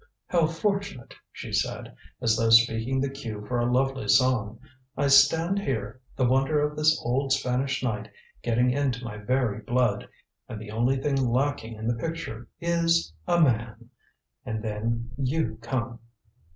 "How fortunate," she said, as though speaking the cue for a lovely song. "I stand here, the wonder of this old Spanish night getting into my very blood and the only thing lacking in the picture is a man. And then, you come."